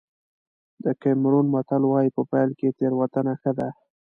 د کېمرون متل وایي په پيل کې تېروتنه ښه ده.